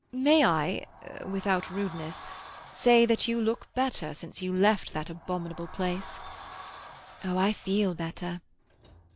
May I, without rudeness, say that you look better since you left that abominable place." "Oh, I feel better."